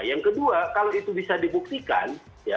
yang kedua kalau itu bisa dibuktikan